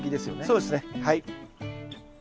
そうですねはい。